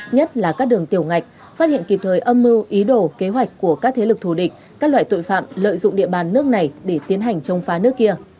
nhất là các đường tiểu ngạch phát hiện kịp thời âm mưu ý đồ kế hoạch của các thế lực thù địch các loại tội phạm lợi dụng địa bàn nước này để tiến hành chống phá nước kia